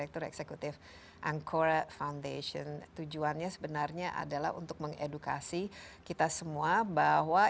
tujuannya sebenarnya adalah untuk mengedukasi kita semua bahwa